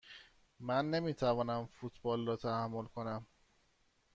من نمی توانم فوتبال را تحمل کنم.